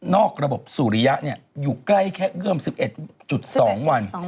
นอกระบบสูริยะเนี่ยอยู่ใกล้แค่เรื่อง๑๑๒วัน